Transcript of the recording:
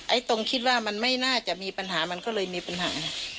ตรงคิดว่ามันไม่น่าจะมีปัญหามันก็เลยมีปัญหา